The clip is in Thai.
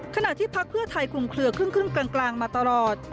ขณะที่พักเพื่อไทยคลุมเคลือครึ่งกลางมาตลอด